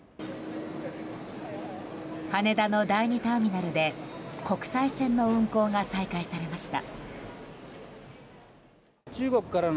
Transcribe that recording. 羽田の第２ターミナルで国際線の運航が再開されました。